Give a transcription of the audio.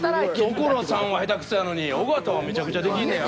所さんは下手くそやのに尾形はめちゃくちゃできんねや。